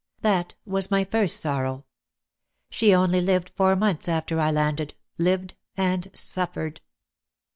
That was my first sorrow. She only lived four months after I landed, lived and suffered.